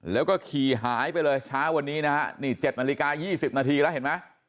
แล้วก็ขี่หายไปเลยเช้าวันนี้นะฮะนี่๗นาฬิกา๒๐นาทีแล้วเห็นไหม